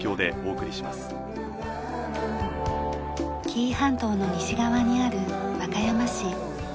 紀伊半島の西側にある和歌山市。